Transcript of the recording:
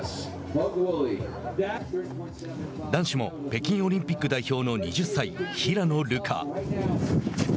男子も北京オリンピック代表の２０歳、平野流佳。